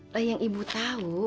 lah yang ibu tahu